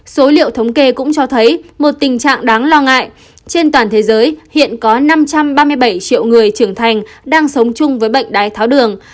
số liệu thống kê cũng cho thấy một tình trạng đáng lo ngại trên toàn thế giới hiện có năm trăm ba mươi bảy triệu người trưởng thành đang sống chung với bệnh đái tháo đường